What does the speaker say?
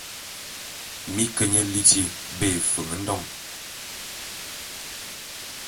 Mi ke nye liti be Efen-Ndon.